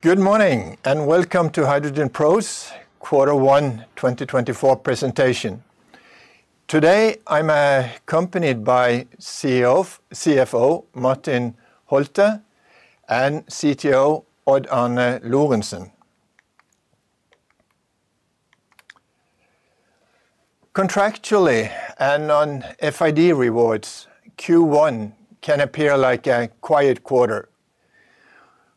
Good morning, and welcome to HydrogenPro's Quarter One 2024 presentation. Today, I'm accompanied by CFO Martin Holtet and CTO Odd-Arne Lorentsen. Contractually and on FID rewards, Q1 can appear like a quiet quarter.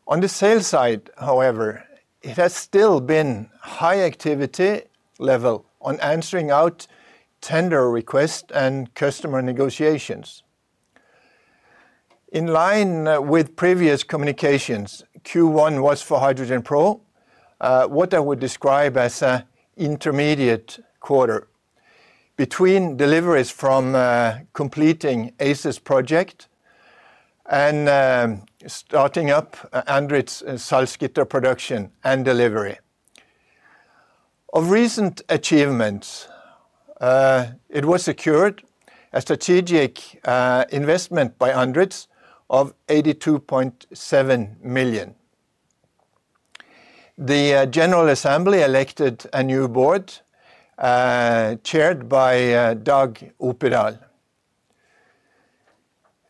On the sales side, however, it has still been high activity level on answering out tender requests and customer negotiations. In line with previous communications, Q1 was for HydrogenPro what I would describe as an intermediate quarter between deliveries from completing ACES project and starting up Andritz Salzgitter production and delivery. Of recent achievements, it was secured a strategic investment by Andritz of 82.7 million. The general assembly elected a new board, chaired by Dag Opedal.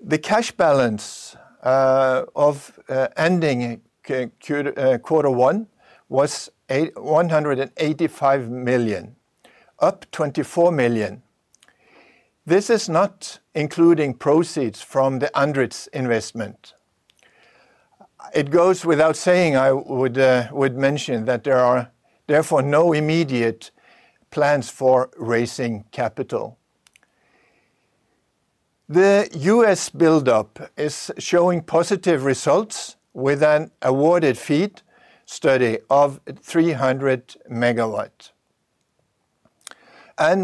The cash balance of ending quarter one was 185 million, up 24 million. This is not including proceeds from the Andritz investment. It goes without saying, I would mention that there are therefore no immediate plans for raising capital. The U.S. build-up is showing positive results with an awarded FEED study of 300 MW.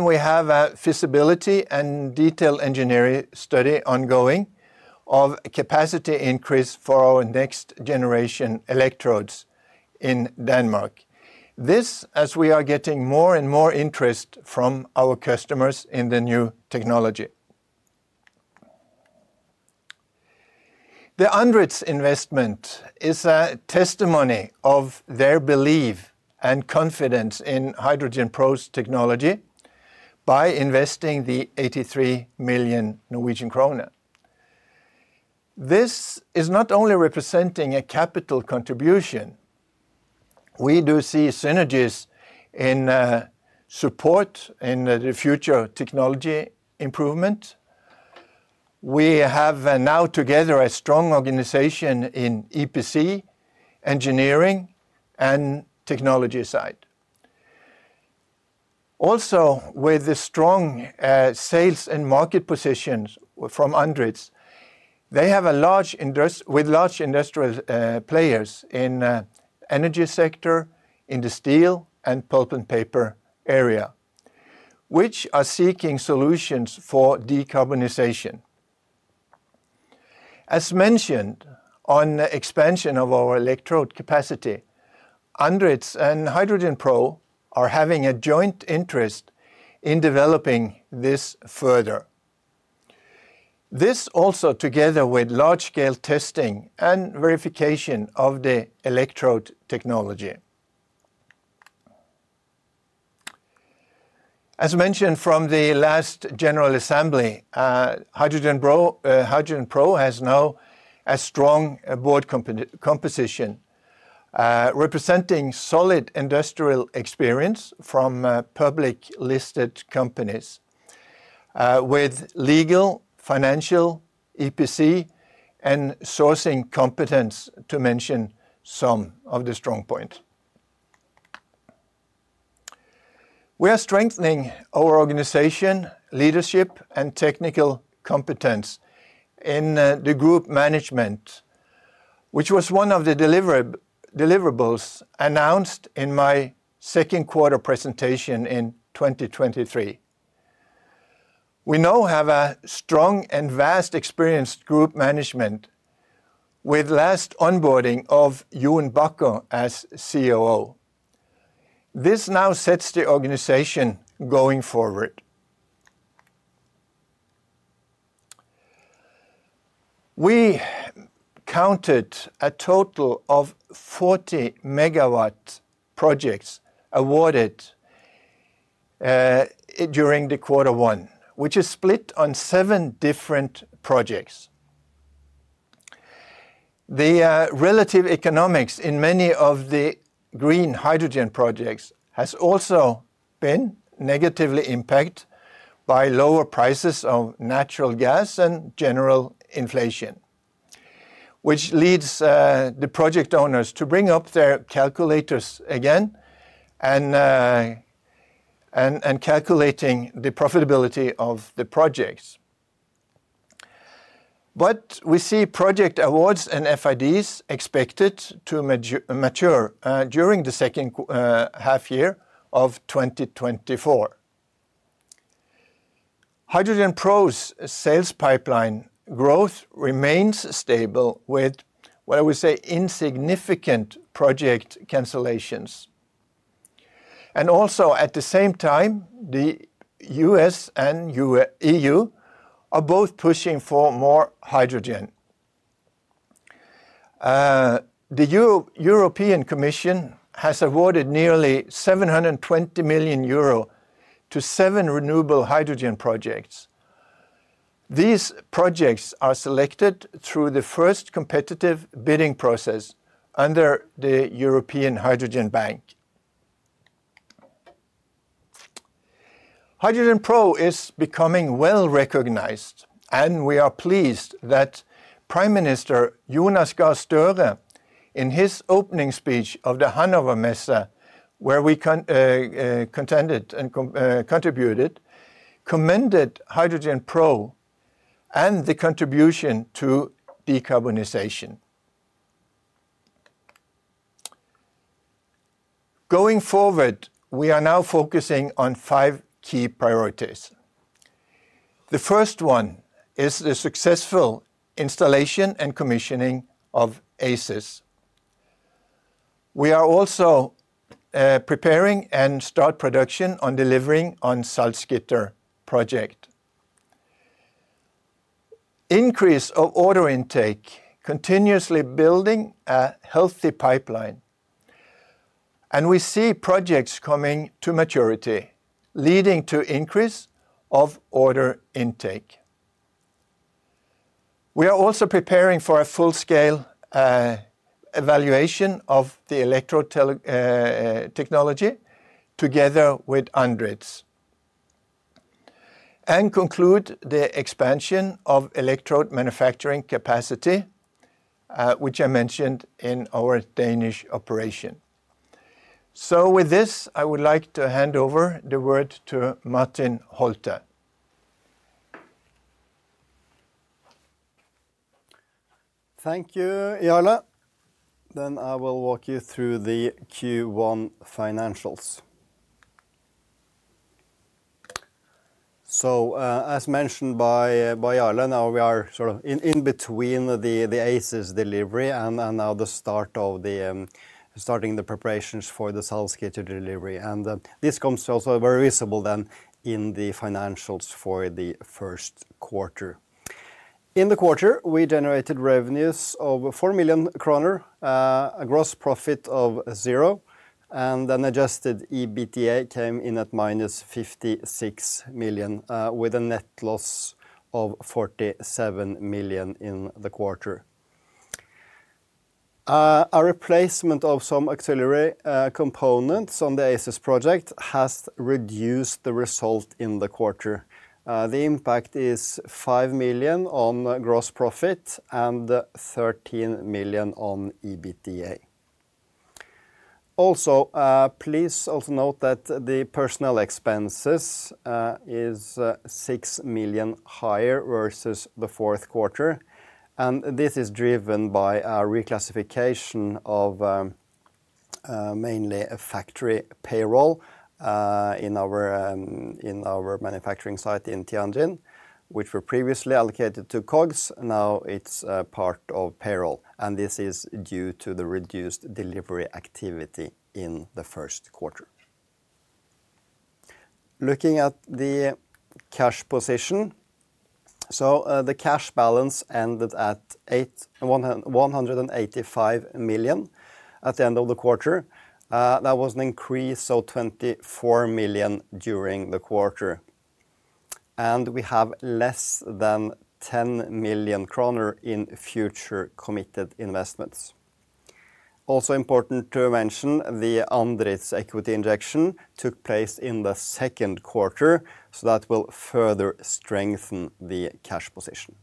We have a feasibility and detail engineering study ongoing of capacity increase for our next generation electrodes in Denmark. This, as we are getting more and more interest from our customers in the new technology. The Andritz investment is a testimony of their belief and confidence in HydrogenPro's technology by investing NOK 83 million. This is not only representing a capital contribution. We do see synergies in support in the future technology improvement. We have now together a strong organization in EPC, engineering, and technology side. Also, with the strong sales and market positions from Andritz, they have large industrial players in the energy sector, in the steel and pulp and paper area, which are seeking solutions for decarbonization. As mentioned, on expansion of our electrode capacity, Andritz and HydrogenPro are having a joint interest in developing this further. This also together with large-scale testing and verification of the electrode technology. As mentioned from the last general assembly, HydrogenPro has now a strong board composition representing solid industrial experience from public listed companies with legal, financial, EPC, and sourcing competence, to mention some of the strong points. We are strengthening our organization, leadership, and technical competence in the group management, which was one of the deliverables announced in my second quarter presentation in 2023. We now have a strong and vast experienced group management with last onboarding of Jon Backe as COO. This now sets the organization going forward. We counted a total of 40 megawatt projects awarded during quarter one, which is split on seven different projects. The relative economics in many of the green hydrogen projects has also been negatively impacted by lower prices of natural gas and general inflation, which leads the project owners to bring up their calculators again and calculating the profitability of the projects. But we see project awards and FIDs expected to mature during the second half year of 2024. HydrogenPro's sales pipeline growth remains stable with, what I would say, insignificant project cancellations. And also, at the same time, the US and EU are both pushing for more hydrogen. The European Commission has awarded nearly 720 million euro to 7 renewable hydrogen projects. These projects are selected through the first competitive bidding process under the European Hydrogen Bank. HydrogenPro is becoming well-recognized, and we are pleased that Prime Minister Jonas Gahr Støre, in his opening speech of the Hannover Messe, where we contended and contributed, commended HydrogenPro and the contribution to decarbonization. Going forward, we are now focusing on 5 key priorities. The first one is the successful installation and commissioning of ACES. We are also preparing and start production on delivering on Salzgitter project. Increase of order intake, continuously building a healthy pipeline, and we see projects coming to maturity, leading to increase of order intake. We are also preparing for a full-scale evaluation of the electrode technology together with Andritz. And conclude the expansion of electrode manufacturing capacity, which I mentioned in our Danish operation. With this, I would like to hand over the word to Martin Holtet. Thank you, Jarle. Then I will walk you through the Q1 financials. So, as mentioned by, by Jarle, now we are sort of in, in between the, the ACES delivery and, and now the start of the, starting the preparations for the Salzgitter delivery. This comes also very visible then in the financials for the first quarter. In the quarter, we generated revenues of 4 million kroner, a gross profit of 0, and an adjusted EBITDA came in at -56 million, with a net loss of 47 million in the quarter. A replacement of some auxiliary, components on the ACES project has reduced the result in the quarter. The impact is 5 million on gross profit and 13 million on EBITDA. Also, please also note that the personnel expenses is 6 million higher versus the fourth quarter, and this is driven by a reclassification of mainly a factory payroll in our manufacturing site in Tianjin, which were previously allocated to COGS. Now it's part of payroll, and this is due to the reduced delivery activity in the first quarter. Looking at the cash position, so the cash balance ended at 185 million at the end of the quarter. That was an increase of 24 million during the quarter, and we have less than 10 million kroner in future committed investments. Also important to mention, the Andritz equity injection took place in the second quarter, so that will further strengthen the cash position.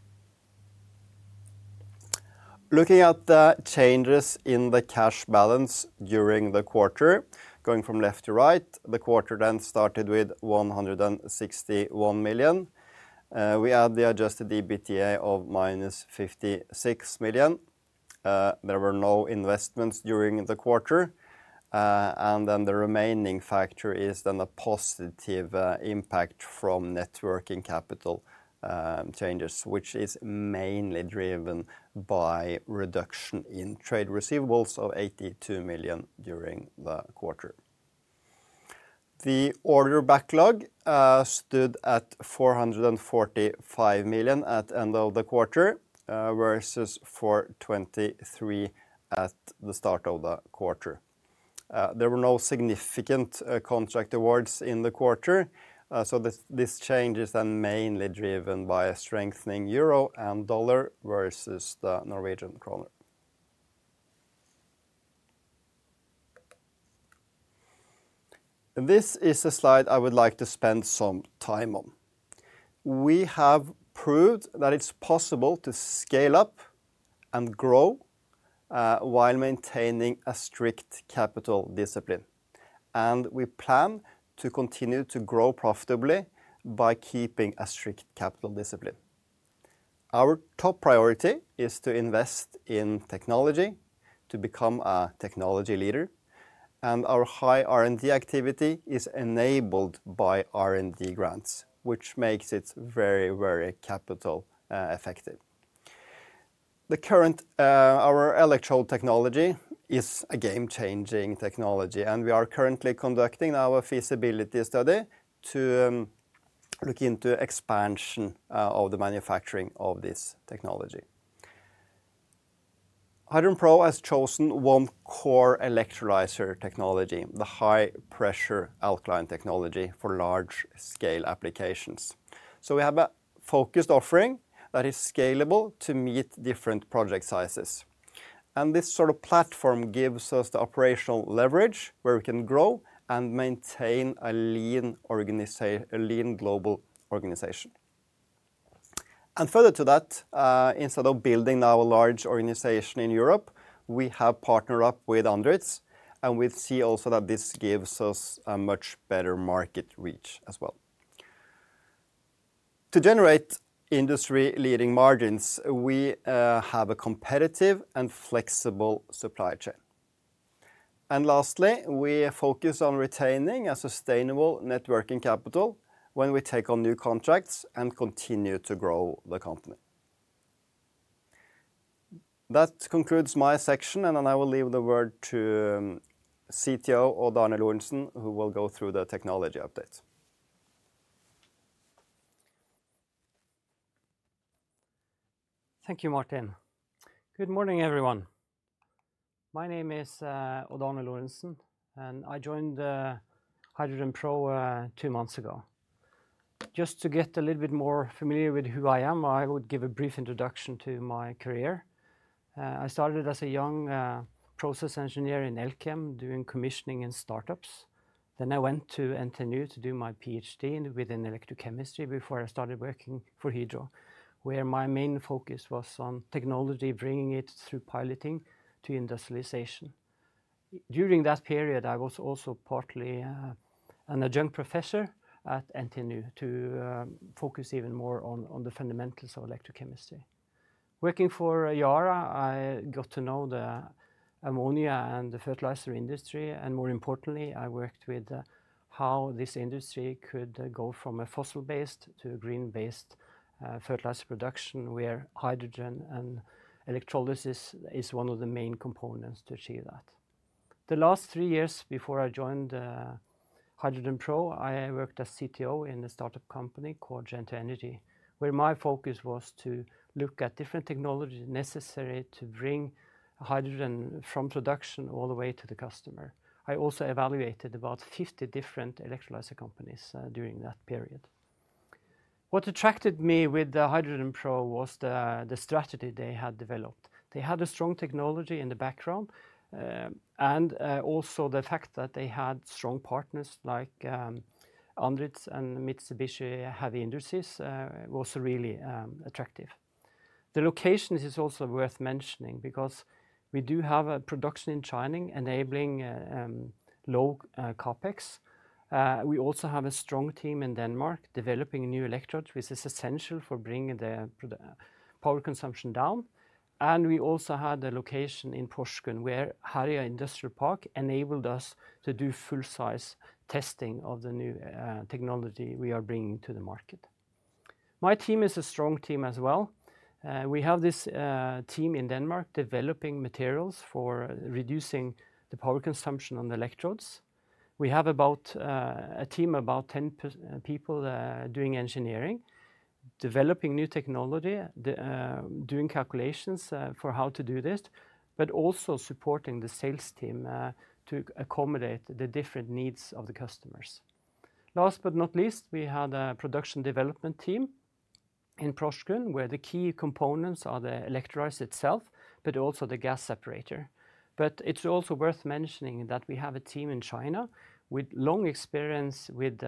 Looking at the changes in the cash balance during the quarter, going from left to right, the quarter then started with 161 million. We add the adjusted EBITDA of -56 million. There were no investments during the quarter. And then the remaining factor is then the positive impact from net working capital changes, which is mainly driven by reduction in trade receivables of 82 million during the quarter. The order backlog stood at 445 million at end of the quarter versus 423 at the start of the quarter. There were no significant contract awards in the quarter, so this change is then mainly driven by a strengthening euro and dollar versus the Norwegian kroner. This is the slide I would like to spend some time on. We have proved that it's possible to scale up and grow while maintaining a strict capital discipline, and we plan to continue to grow profitably by keeping a strict capital discipline. Our top priority is to invest in technology to become a technology leader, and our high R&D activity is enabled by R&D grants, which makes it very, very capital effective. The current our electrode technology is a game-changing technology, and we are currently conducting our feasibility study to look into expansion of the manufacturing of this technology. HydrogenPro has chosen one core electrolyzer technology, the high-pressure alkaline technology for large-scale applications. So we have a focused offering that is scalable to meet different project sizes. And this sort of platform gives us the operational leverage where we can grow and maintain a lean global organization. Further to that, instead of building our large organization in Europe, we have partnered up with Andritz, and we see also that this gives us a much better market reach as well. To generate industry-leading margins, we have a competitive and flexible supply chain. Lastly, we focus on retaining a sustainable net working capital when we take on new contracts and continue to grow the company. That concludes my section, and then I will leave the word to CTO, Odd-Arne Lorentsen, who will go through the technology update. Thank you, Martin. Good morning, everyone. My name is Odd-Arne Lorentsen, and I joined HydrogenPro two months ago. Just to get a little bit more familiar with who I am, I would give a brief introduction to my career. I started as a young process engineer in Elkem, doing commissioning and startups. Then I went to NTNU to do my PhD in within electrochemistry before I started working for Hydro, where my main focus was on technology, bringing it through piloting to industrialization. During that period, I was also partly an adjunct professor at NTNU to focus even more on the fundamentals of electrochemistry. Working for Yara, I got to know the ammonia and the fertilizer industry, and more importantly, I worked with how this industry could go from a fossil-based to a green-based fertilizer production, where hydrogen and electrolysis is one of the main components to achieve that. The last three years before I joined HydrogenPro, I worked as CTO in a startup company called Gen2 Energy, where my focus was to look at different technologies necessary to bring hydrogen from production all the way to the customer. I also evaluated about 50 different electrolyzer companies during that period. What attracted me with the HydrogenPro was the strategy they had developed. They had a strong technology in the background, and also the fact that they had strong partners like Andritz and Mitsubishi Heavy Industries was really attractive. The locations is also worth mentioning because we do have a production in China, enabling low CapEx. We also have a strong team in Denmark developing new electrodes, which is essential for bringing the power consumption down. And we also had a location in Porsgrunn, where Herøya Industrial Park enabled us to do full-size testing of the new technology we are bringing to the market. My team is a strong team as well. We have this team in Denmark developing materials for reducing the power consumption on the electrodes. We have a team of about 10 people doing engineering, developing new technology, doing calculations for how to do this, but also supporting the sales team to accommodate the different needs of the customers. Last but not least, we have a production development team in Porsgrunn, where the key components are the electrolyzer itself, but also the gas separator. But it's also worth mentioning that we have a team in China with long experience with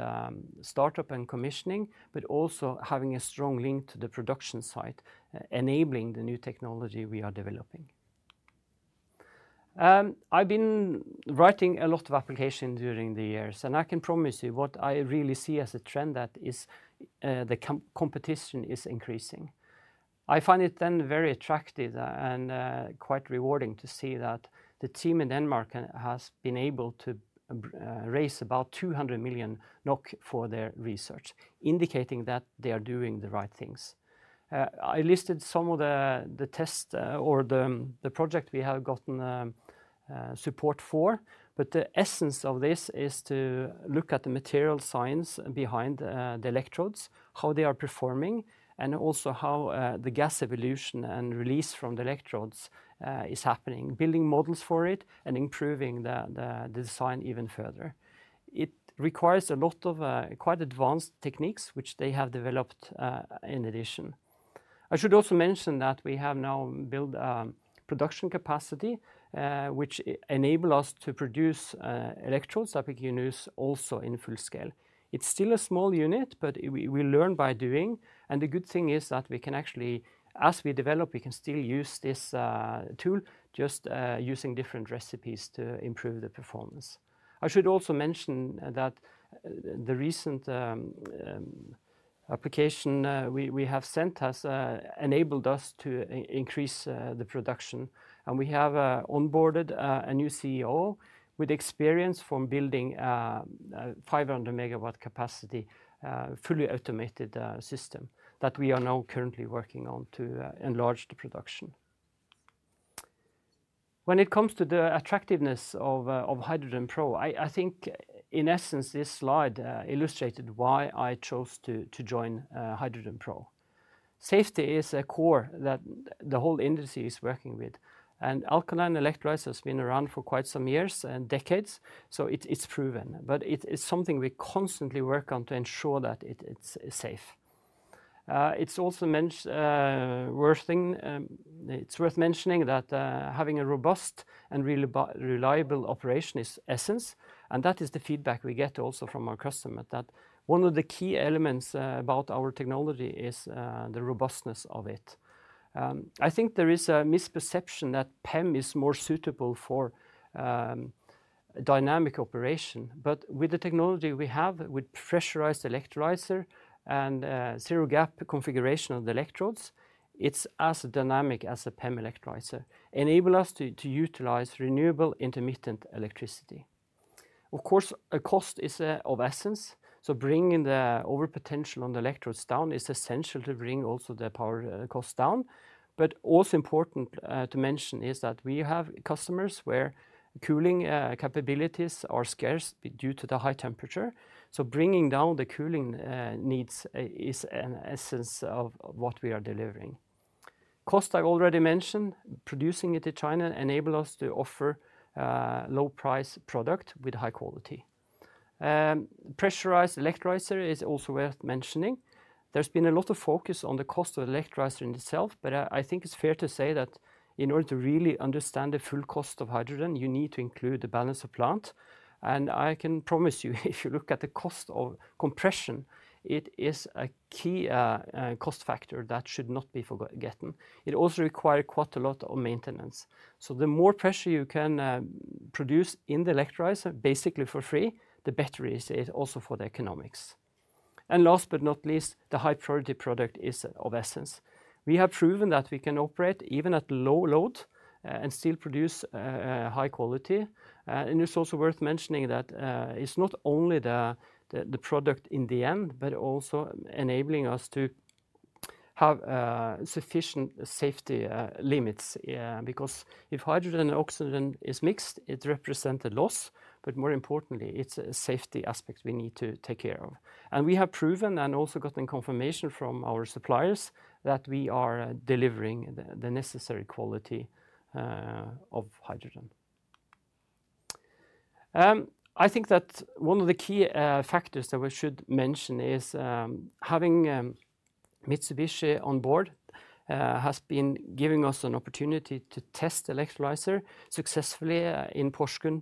startup and commissioning, but also having a strong link to the production site, enabling the new technology we are developing. I've been writing a lot of applications during the years, and I can promise you what I really see as a trend that is the competition is increasing. I find it then very attractive and quite rewarding to see that the team in Denmark has been able to raise about 200 million NOK for their research, indicating that they are doing the right things. I listed some of the test or the project we have gotten support for, but the essence of this is to look at the material science behind the electrodes, how they are performing, and also how the gas evolution and release from the electrodes is happening, building models for it, and improving the design even further. It requires a lot of quite advanced techniques, which they have developed in addition. I should also mention that we have now built a production capacity which enable us to produce electrodes that we can use also in full scale. It's still a small unit, but we learn by doing, and the good thing is that we can actually... As we develop, we can still use this tool, just using different recipes to improve the performance. I should also mention that the recent application we have sent has enabled us to increase the production, and we have onboarded a new CEO with experience from building a 500-megawatt capacity fully automated system that we are now currently working on to enlarge the production... When it comes to the attractiveness of HydrogenPro, I think in essence, this slide illustrated why I chose to join HydrogenPro. Safety is a core that the whole industry is working with, and alkaline electrolyzer has been around for quite some years and decades, so it, it's proven, but it is something we constantly work on to ensure that it, it's safe. It's also worth mentioning that having a robust and reliable operation is essential, and that is the feedback we get also from our customer, that one of the key elements about our technology is the robustness of it. I think there is a misperception that PEM is more suitable for dynamic operation. But with the technology we have, with pressurized electrolyzer and zero gap configuration of the electrodes, it's as dynamic as a PEM electrolyzer, enable us to utilize renewable intermittent electricity. Of course, cost is of the essence, so bringing the over potential on the electrodes down is essential to bring also the power cost down. But also important to mention is that we have customers where cooling capabilities are scarce due to the high temperature. So bringing down the cooling needs is an essence of what we are delivering. Cost, I've already mentioned, producing it in China enable us to offer low price product with high quality. Pressurized electrolyzer is also worth mentioning. There's been a lot of focus on the cost of the electrolyzer in itself, but I think it's fair to say that in order to really understand the full cost of hydrogen, you need to include the balance of plant. And I can promise you, if you look at the cost of compression, it is a key cost factor that should not be forgotten. It also require quite a lot of maintenance. So the more pressure you can produce in the electrolyzer, basically for free, the better it is also for the economics. And last but not least, the high-purity product is of essence. We have proven that we can operate even at low load, and still produce, high quality. And it's also worth mentioning that, it's not only the product in the end, but also enabling us to have, sufficient safety, limits. Because if hydrogen and oxygen is mixed, it represent a loss, but more importantly, it's a safety aspect we need to take care of. And we have proven and also gotten confirmation from our suppliers, that we are delivering the necessary quality, of hydrogen. I think that one of the key, factors that we should mention is, having, Mitsubishi on board, has been giving us an opportunity to test the electrolyzer successfully, in Porsgrunn.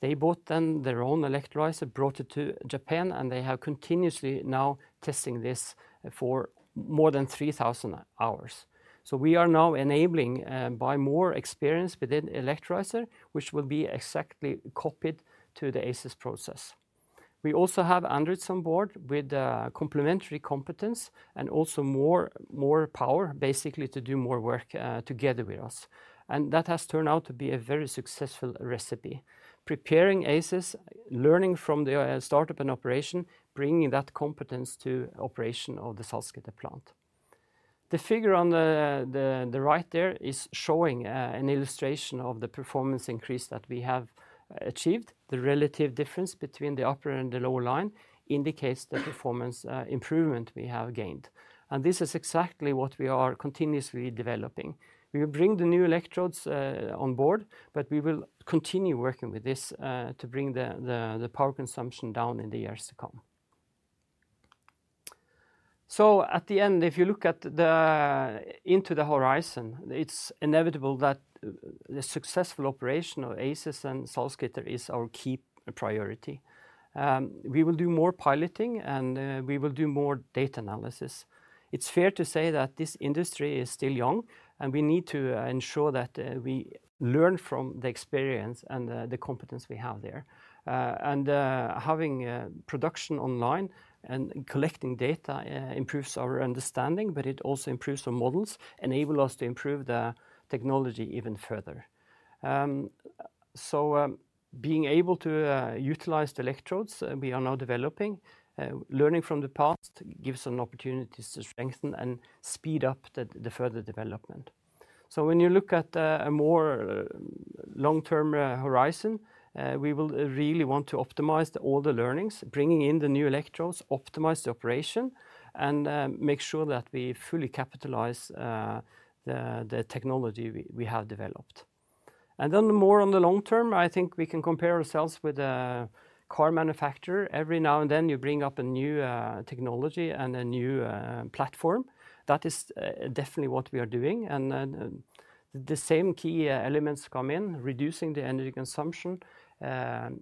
They bought then their own electrolyzer, brought it to Japan, and they have continuously now testing this for more than 3,000 hours. So we are now enabling, by more experience within electrolyzer, which will be exactly copied to the ACES process. We also have ANDRITZ on board with, complementary competence and also more, more power, basically, to do more work, together with us. And that has turned out to be a very successful recipe. Preparing ACES, learning from the, startup and operation, bringing that competence to operation of the Salzgitter plant. The figure on the, the right there is showing, an illustration of the performance increase that we have achieved. The relative difference between the upper and the lower line indicates the performance, improvement we have gained. And this is exactly what we are continuously developing. We will bring the new electrodes on board, but we will continue working with this to bring the power consumption down in the years to come. So at the end, if you look into the horizon, it's inevitable that the successful operation of ACES and Salzgitter is our key priority. We will do more piloting, and we will do more data analysis. It's fair to say that this industry is still young, and we need to ensure that we learn from the experience and the competence we have there. And having production online and collecting data improves our understanding, but it also improves the models, enable us to improve the technology even further. So, being able to utilize the electrodes we are now developing, learning from the past, gives us an opportunity to strengthen and speed up the further development. So when you look at a more long-term horizon, we will really want to optimize all the learnings, bringing in the new electrodes, optimize the operation, and make sure that we fully capitalize the technology we have developed. And then, more on the long term, I think we can compare ourselves with a car manufacturer. Every now and then, you bring up a new technology and a new platform. That is definitely what we are doing. The same key elements come in: reducing the energy consumption,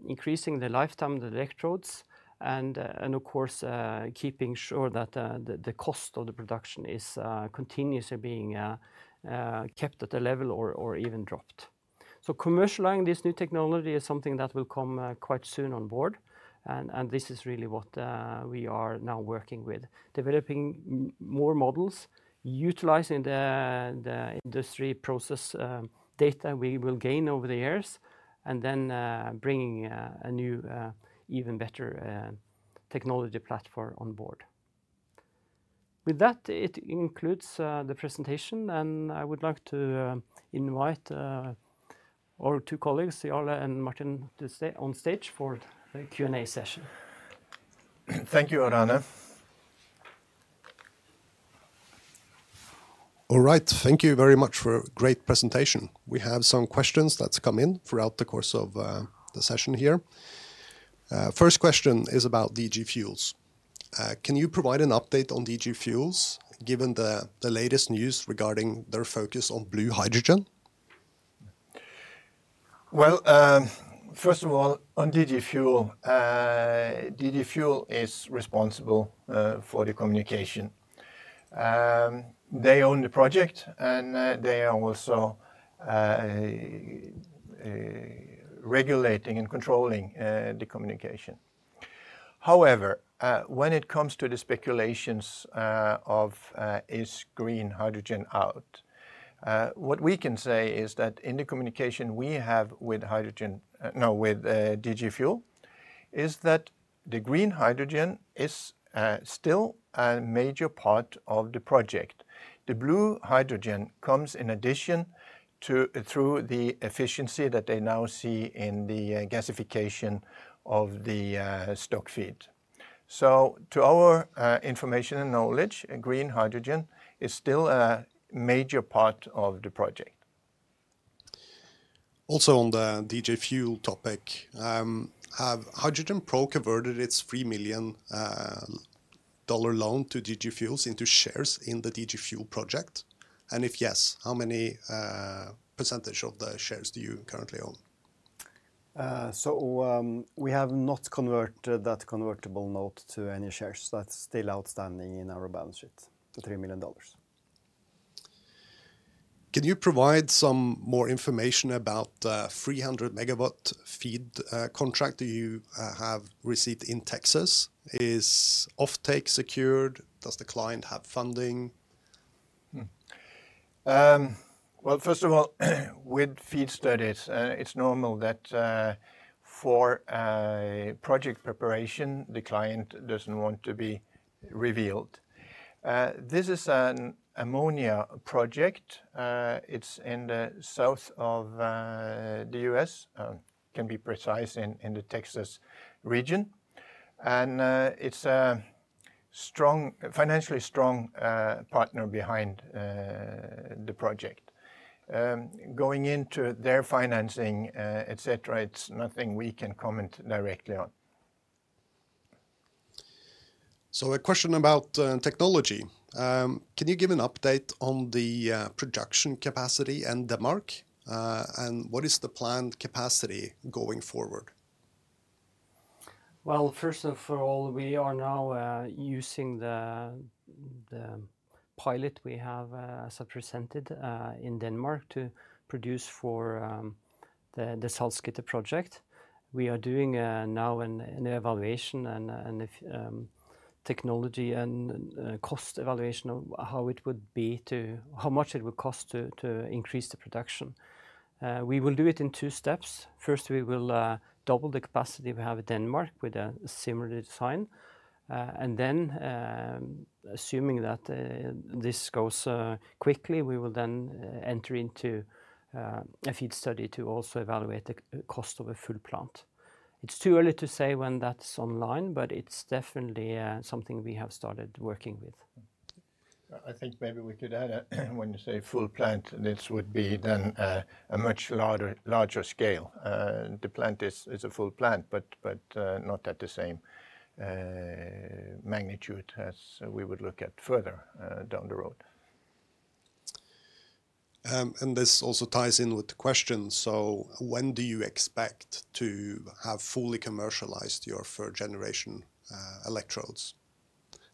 increasing the lifetime of the electrodes, and of course, keeping sure that the cost of the production is continuously being kept at a level or even dropped. So commercializing this new technology is something that will come quite soon on board, and this is really what we are now working with. Developing more models, utilizing the industry process data we will gain over the years, and then bringing a new even better technology platform on board. With that, it includes the presentation, and I would like to invite our two colleagues, Jarle and Martin, to stay on stage for the Q&A session. Thank you, Odd-Arne. All right, thank you very much for a great presentation. We have some questions that's come in throughout the course of the session here. First question is about DG Fuels. Can you provide an update on DG Fuels, given the latest news regarding their focus on blue hydrogen? Well, first of all, on DG Fuels, DG Fuels is responsible for the communication. They own the project, and they are also regulating and controlling the communication. However, when it comes to the speculations of is green hydrogen out, what we can say is that in the communication we have with DG Fuels, is that the green hydrogen is still a major part of the project. The blue hydrogen comes in addition to through the efficiency that they now see in the gasification of the stock feed. So to our information and knowledge, green hydrogen is still a major part of the project. Also, on the DG Fuels topic, have HydrogenPro converted its $3 million loan to DG Fuels into shares in the DG Fuels project? And if yes, how many percentage of the shares do you currently own? We have not converted that convertible note to any shares. That's still outstanding in our balance sheet, the $3 million. Can you provide some more information about the 300 MW FEED contract you have received in Texas? Is offtake secured? Does the client have funding? Well, first of all, with FEED studies, it's normal that for project preparation, the client doesn't want to be revealed. This is an ammonia project. It's in the south of the US, to be precise, in the Texas region. And it's a strong, financially strong partner behind the project. Going into their financing, et cetera, it's nothing we can comment directly on. So a question about technology. Can you give an update on the production capacity in Denmark? And what is the planned capacity going forward? Well, first of all, we are now using the pilot we have as I presented in Denmark to produce for the Salzgitter project. We are doing now an evaluation and a technology and cost evaluation of how much it would cost to increase the production. We will do it in two steps. First, we will double the capacity we have in Denmark with a similar design. And then, assuming that this goes quickly, we will then enter into a FEED study to also evaluate the cost of a full plant. It's too early to say when that's online, but it's definitely something we have started working with. I think maybe we could add, when you say full plant, this would be then, a much larger, larger scale. The plant is, is a full plant, but, but, not at the same, magnitude as we would look at further, down the road. This also ties in with the question: so when do you expect to have fully commercialized your third generation electrodes?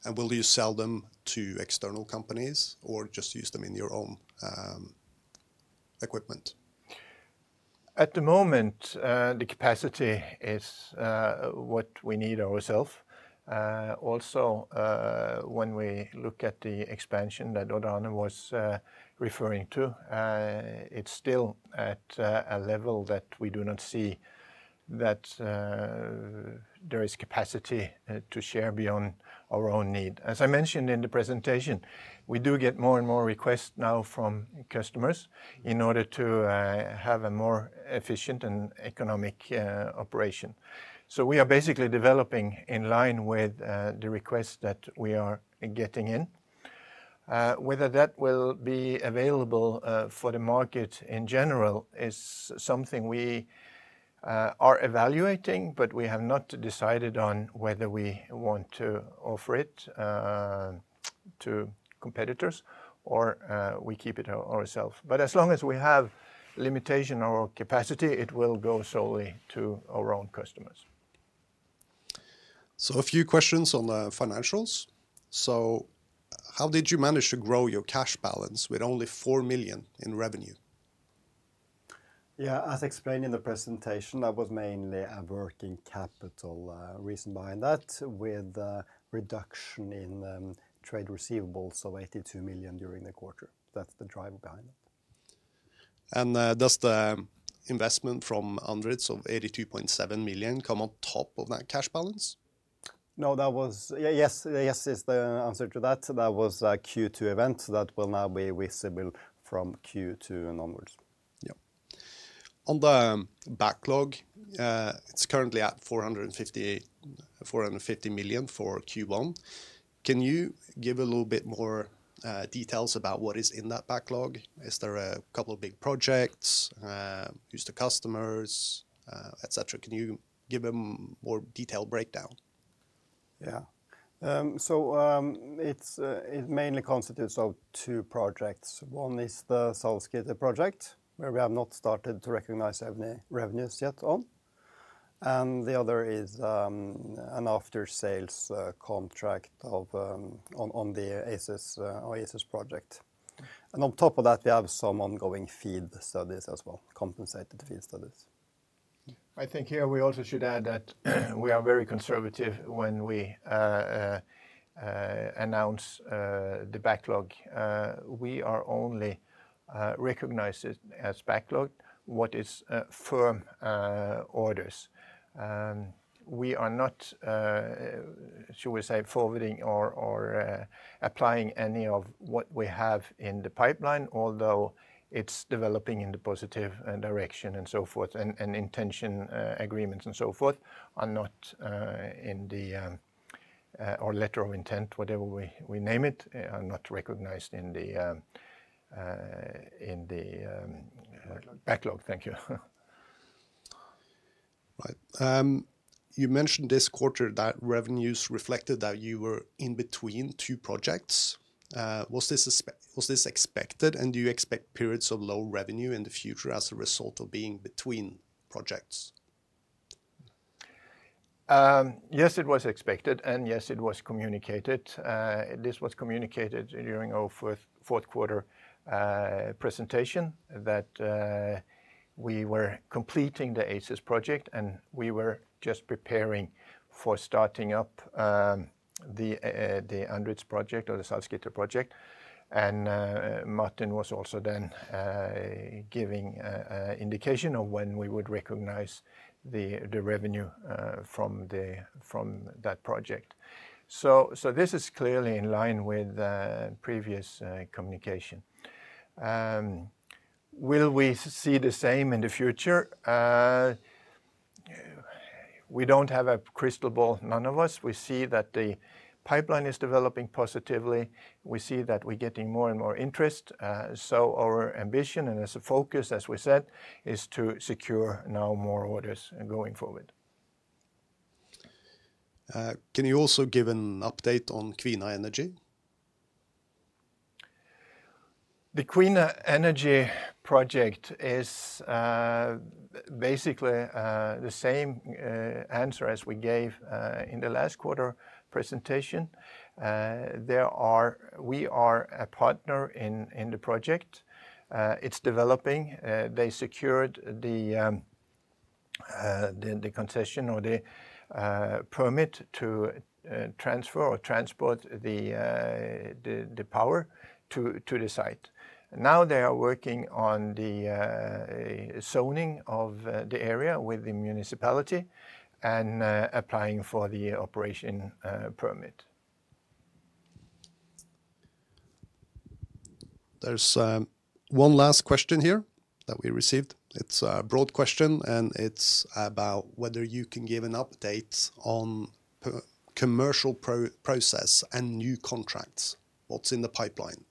And will you sell them to external companies or just use them in your own equipment? At the moment, the capacity is what we need ourselves. Also, when we look at the expansion that Odd-Arne was referring to, it's still at a level that we do not see that there is capacity to share beyond our own need. As I mentioned in the presentation, we do get more and more requests now from customers in order to have a more efficient and economic operation. So we are basically developing in line with the requests that we are getting in. Whether that will be available for the market in general is something we are evaluating, but we have not decided on whether we want to offer it to competitors or we keep it ourselves. As long as we have limitation or capacity, it will go solely to our own customers. A few questions on the financials. How did you manage to grow your cash balance with only 4 million in revenue? Yeah, as explained in the presentation, that was mainly a working capital reason behind that, with a reduction in trade receivables of 82 million during the quarter. That's the driver behind it.... And, does the investment from Andritz of 82.7 million come on top of that cash balance? No, that was yeah, yes, yes, is the answer to that. That was a Q2 event that will now be visible from Q2 and onwards. Yeah. On the backlog, it's currently at 458 million for Q1. Can you give a little bit more details about what is in that backlog? Is there a couple of big projects, who's the customers, et cetera? Can you give a more detailed breakdown? Yeah. So, it's, it mainly constitutes of two projects. One is the Salzgitter project, where we have not started to recognize any revenues yet on, and the other is, an after-sales, contract of, on, on the ACES, ACES project. And on top of that, we have some ongoing FEED studies as well, compensated FEED studies. I think here we also should add that we are very conservative when we announce the backlog. We are only recognized as backlog what is firm orders. We are not, should we say, forwarding or applying any of what we have in the pipeline, although it's developing in the positive direction and so forth, and intention agreements and so forth are not in the or letter of intent, whatever we name it, are not recognized in the in the. Backlog. Backlog. Thank you. Right. You mentioned this quarter that revenues reflected that you were in between two projects. Was this expected, and do you expect periods of low revenue in the future as a result of being between projects? Yes, it was expected, and yes, it was communicated. This was communicated during our fourth quarter presentation, that we were completing the ACES project, and we were just preparing for starting up the Andritz project or the Salzgitter project. Martin was also then giving an indication of when we would recognize the revenue from that project. This is clearly in line with previous communication. Will we see the same in the future? We don't have a crystal ball, none of us. We see that the pipeline is developing positively. We see that we're getting more and more interest, so our ambition and as a focus, as we said, is to secure now more orders going forward. Can you also give an update on Kvina Energy? The Kvina Energy project is basically the same answer as we gave in the last quarter presentation. We are a partner in the project. It's developing. They secured the concession or the permit to transfer or transport the power to the site. Now they are working on the zoning of the area with the municipality and applying for the operation permit. There's one last question here that we received. It's a broad question, and it's about whether you can give an update on our commercial progress and new contracts. What's in the pipeline?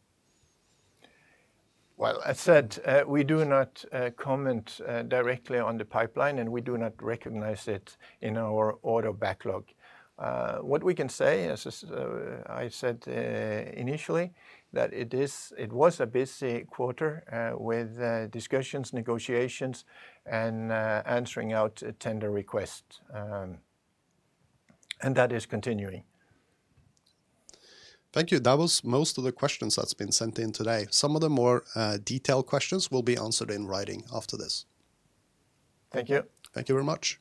Well, I said, we do not comment directly on the pipeline, and we do not recognize it in our order backlog. What we can say, as I said initially, that it is, it was a busy quarter with discussions, negotiations, and answering out a tender request, and that is continuing. Thank you. That was most of the questions that's been sent in today. Some of the more detailed questions will be answered in writing after this. Thank you. Thank you very much.